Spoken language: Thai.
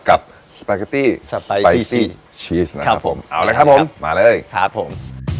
กับสปาเก็ตตี้สปาไซซี่ชีสครับผมเอาละครับผมมาเลยครับผม